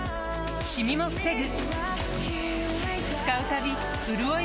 シミも防ぐ